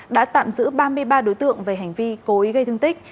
đã tạm giữ ba mươi ba đối tượng về hành vi cố ý gây thương tích